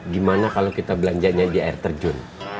gimana kalau kita belanjanya di air terjun